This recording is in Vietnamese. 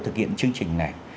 thực hiện chương trình này